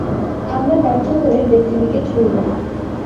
আমরা ব্যর্থ হলে ডেস্টিনিকে ছুড়বেন।